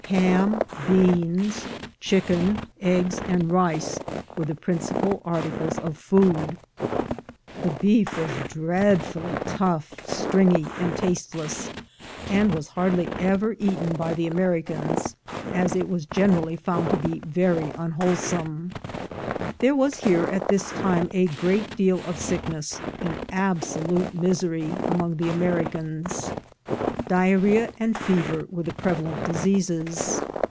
Ham, beans, chicken, eggs, and rice, were the principal articles of food. The beef was dreadfully 42 THE GOLD HUNTERS tough, stringy, and tasteless, and was hardly ever eaten by the Americans, as it was generally found to be very unwholesome. There was here at this time a great deal of sick ness, and absolute misery, among the Americans. Diarrhoea and fever were the prevalent diseases.